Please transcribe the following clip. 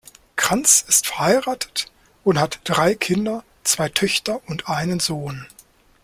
Kranz ist verheiratet und hat drei Kinder, zwei Töchter und einen Sohn.